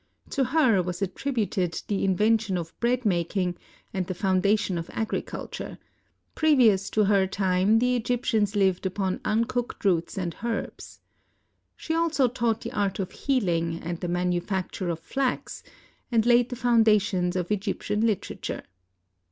To her was attributed the invention of bread making, and the foundation of agriculture ; previous to her time the Egyptians lived upon un cooked roots and herbs. She also taught the art of healing and the manufacture of flax, and laid the foundations of Egyptian literature.